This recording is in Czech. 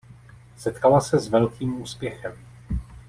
Setkala se s velkým úspěchem.